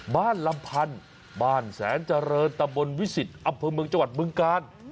ลำพันธ์บ้านแสนเจริญตะบนวิสิตอำเภอเมืองจังหวัดบึงกาล